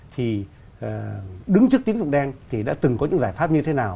thì đứng trước tín dụng đen thì đã từng có những giải pháp như thế nào